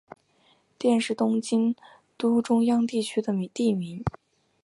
佃是东京都中央区的地名。